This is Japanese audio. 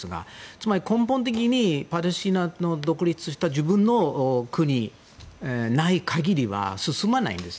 つまり、根本的にパレスチナの独立した自分の国がない限りは進まないんです。